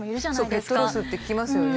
ペットロスって聞きますよね。